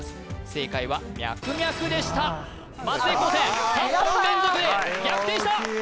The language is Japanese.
正解はミャクミャクでした松江高専３問連続で逆転した！